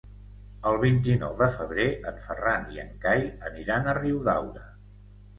El vint-i-nou de febrer en Ferran i en Cai aniran a Riudaura.